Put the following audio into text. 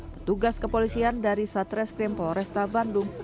petugas kepolisian dari satreskrim polresta bandung